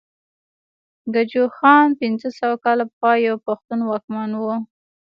ګجوخان پنځه سوه کاله پخوا يو پښتون واکمن وو